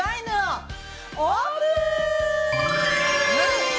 オープン！